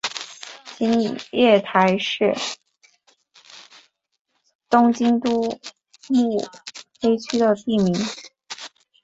青叶台是东京都目黑区的地名。